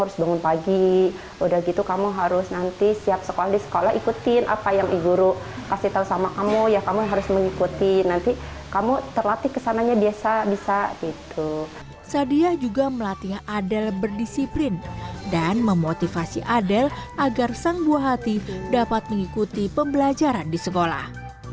sadiyah juga melatih adel berdisiplin dan memotivasi adel agar sang buah hati dapat mengikuti pembelajaran di sekolah